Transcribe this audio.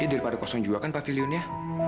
daripada kosong juga kan pavilionnya